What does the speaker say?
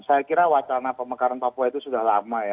saya kira wacana pemekaran papua itu sudah lama ya